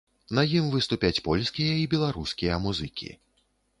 На ім выступяць польскія і беларускія музыкі.